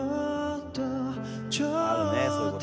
あるねそういう事。